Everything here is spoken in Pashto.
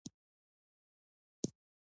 ماشومان وړیا خوراکي توکي ترلاسه کوي.